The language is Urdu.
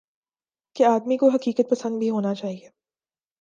کہ آدمی کو حقیقت پسند بھی ہونا چاہیے۔